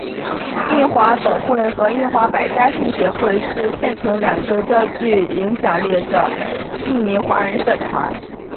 印华总会和印华百家姓协会是现存两个较具影响力的印尼华人社团。